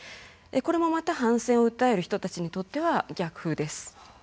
これもまた反戦を訴える人たちにとっては逆風です。